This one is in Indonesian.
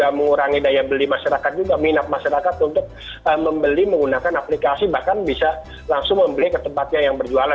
bisa mengurangi daya beli masyarakat juga minat masyarakat untuk membeli menggunakan aplikasi bahkan bisa langsung membeli ke tempatnya yang berjualan